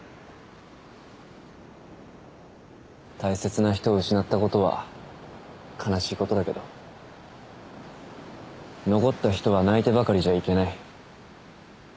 大切な人を失ったことは悲しいことだけど残った人は泣いてばかりじゃいけない。